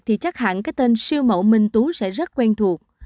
thì chắc hẳn cái tên siêu mậu minh tú sẽ rất quen thuộc